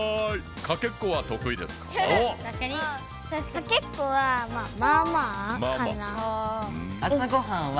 かけっこはまぁまぁかな。